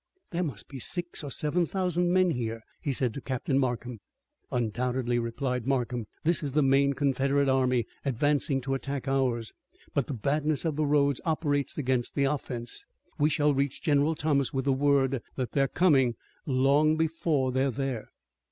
"There must be six or seven thousand men here," he said to Captain Markham. "Undoubtedly," replied Markham, "this is the main Confederate army advancing to attack ours, but the badness of the roads operates against the offense. We shall reach General Thomas with the word that they are coming long before they are there."